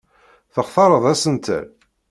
Textareḍ asentel?